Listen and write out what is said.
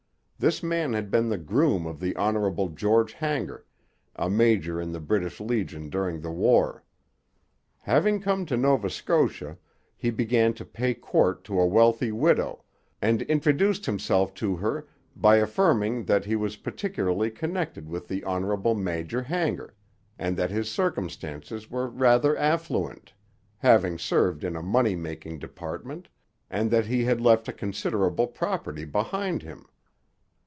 This man had been the groom of the Honourable George Hanger, a major in the British Legion during the war. Having come to Nova Scotia, he began to pay court to a wealthy widow, and introduced himself to her by affirming 'that he was particularly connected with the hono'ble Major Hanger, and that his circumstances were rather affluent, having served in a money making department, and that he had left a considerable property behind him.'